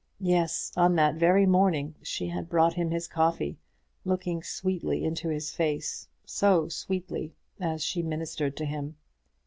Yes, on that very morning she had brought to him his coffee, looking sweetly into his face, so sweetly as she ministered to him.